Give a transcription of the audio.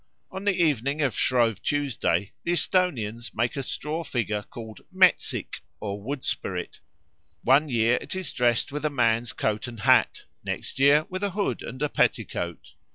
On the evening of Shrove Tuesday the Esthonians make a straw figure called metsik or "wood spirit"; one year it is dressed with a man's coat and hat, next year with a hood and a petticoat.